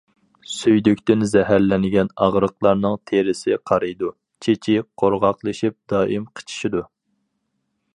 سۈيدۈكتىن زەھەرلەنگەن ئاغرىقلارنىڭ تېرىسى قارىيىدۇ، چېچى قۇرغاقلىشىپ دائىم قىچىشىدۇ.